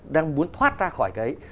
đang muốn thoát ra khỏi cái ấy